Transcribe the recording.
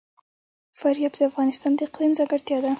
فاریاب د افغانستان د اقلیم ځانګړتیا ده.